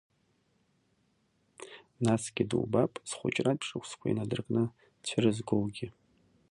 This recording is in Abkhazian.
Насгьы дубап, зхәыҷратә шықәсқәа инадыркны дцәырызгоугьы.